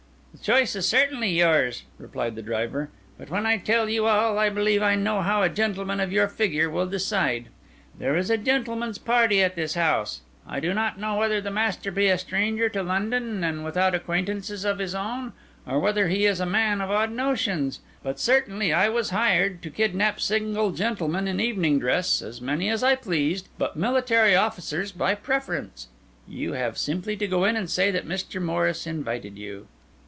"The choice is certainly yours," replied the driver; "but when I tell you all, I believe I know how a gentleman of your figure will decide. There is a gentlemen's party in this house. I do not know whether the master be a stranger to London and without acquaintances of his own; or whether he is a man of odd notions. But certainly I was hired to kidnap single gentlemen in evening dress, as many as I pleased, but military officers by preference. You have simply to go in and say that Mr. Morris invited you."